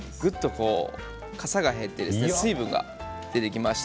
かさが減って水分が出てきました。